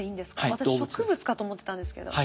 私植物かと思ってたんですけど。